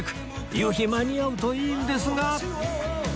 夕日間に合うといいんですが